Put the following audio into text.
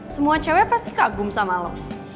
semua cewek pasti kagum sama lo